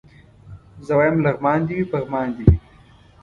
زه وايم لغمان دي وي پغمان دي وي